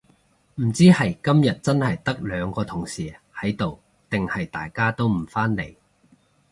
唔知係今日真係得兩個同事喺度定係大家都唔返嚟